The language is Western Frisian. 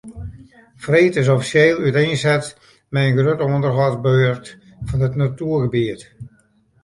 Freed is offisjeel úteinset mei de grutte ûnderhâldsbeurt fan it natuergebiet.